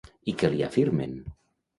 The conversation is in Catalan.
I què li afirmen?